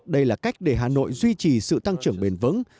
đây là cách để hà nội duy trì sự tăng trưởng bền vững